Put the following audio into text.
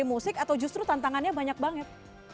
bisa survive di industri musik atau justru tantangannya banyak banget